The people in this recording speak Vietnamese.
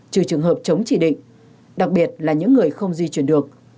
trừ trường hợp chống chỉ định đặc biệt là những người không di chuyển được